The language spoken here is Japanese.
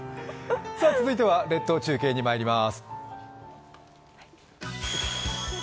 続いては列島中継にまいります。